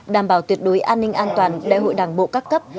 đảm bảo tuyệt đối an ninh an toàn đại hội đảng bộ các cấp